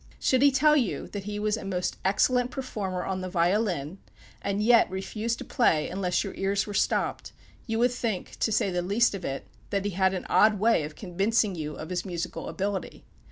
Should he tell you that he was a most excellent performer on the violin, and yet refuse to play unless your ears were stopped, you would think, to say the least of it, that he had an odd way of convincing you of his musical ability.